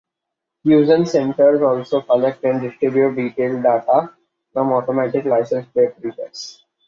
Fusion centers also collect and distribute detailed data from automatic license plate readers.